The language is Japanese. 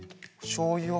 しょうゆを？